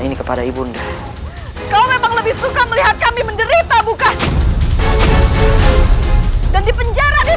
ini kepada ibunda kau memang lebih suka melihat kami menderita bukan dan di penjara di sini